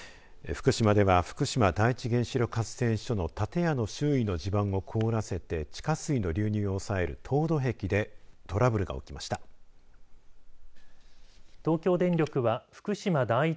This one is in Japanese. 福島では福島第一原子力発電所の建屋の周囲の地盤を凍らせて地下水の流入を抑える凍土壁でトラブルが起きました。